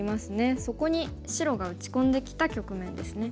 そこに白が打ち込んできた局面ですね。